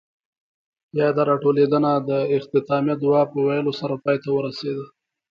ياده راټولېدنه د اختتامیه دعاء پۀ ويلو سره پای ته ورسېده.